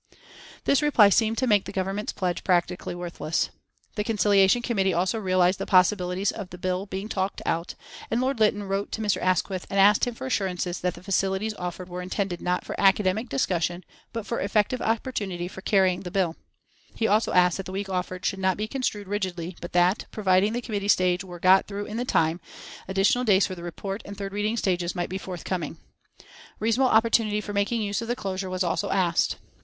This reply seemed to make the Government's pledge practically worthless. The Conciliation Committee also realised the possibilities of the bill being talked out, and Lord Lytton wrote to Mr. Asquith and asked him for assurances that the facilities offered were intended not for academic discussion but for effective opportunity for carrying the bill. He also asked that the week offered should not be construed rigidly but that, providing the committee stage were got through in the time, additional days for the report and third reading stages might be forthcoming. Reasonable opportunity for making use of the closure was also asked.